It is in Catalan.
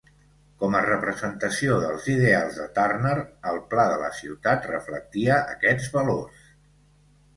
Com a representació dels ideals de Turner, el pla de la ciutat reflectia aquests valors.